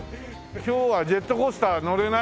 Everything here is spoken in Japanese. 今日はジェットコースター乗れない？